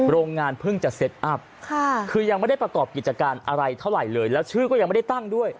โรงงานเพิ่งจะเซ็ตอัพคือยังไม่ได้ประกอบกิจการอะไรเท่าไหร่เลยแล้วชื่อก็ยังไม่ได้ตั้งด้วย